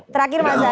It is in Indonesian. terakhir mas zaky